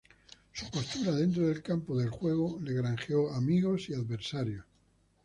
Su postura dentro del campo de juego le granjeó amigos y adversarios.